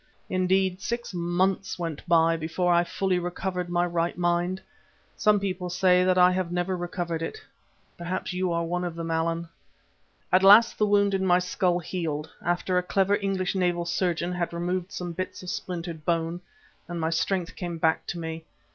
Indeed six months went by before I fully recovered my right mind. Some people say that I have never recovered it; perhaps you are one of them, Allan. "At last the wound in my skull healed, after a clever English naval surgeon had removed some bits of splintered bone, and my strength came back to me.